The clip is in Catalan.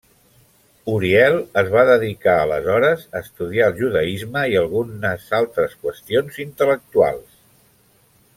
Uriel es va dedicar aleshores a estudiar el judaisme i algunes altres qüestions intel·lectuals.